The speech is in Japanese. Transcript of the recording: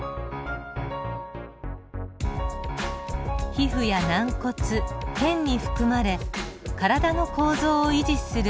皮膚や軟骨腱に含まれ体の構造を維持するコラーゲン。